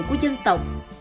của dân tộc